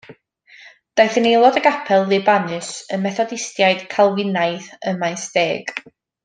Daeth yn aelod o Gapel Libanus, Y Methodistiaid Calfinaidd, ym Maesteg.